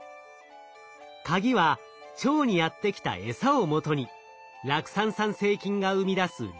カギは腸にやって来たエサをもとに酪酸産生菌が生み出す酪酸。